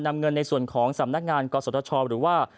นำเงินในส่วนของสำนักงานกศชหรือว่า